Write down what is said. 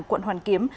quận hoàn kiếm